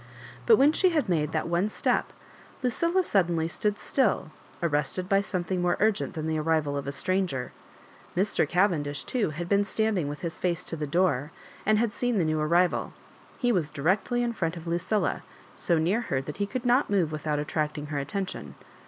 But when she had made that one step, Lucilla suddenly stood still, arrested by some thing more urgent than the arrival of a stranger. Mr. Cavendish too, had been standing with his &ce to the door, and had seen the new arrival. He was directly in front of Lucilla, so near her that he could not move without attracting her attention.